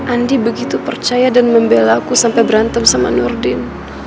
andi begitu percaya dan membela aku sampai berantem sama nurdin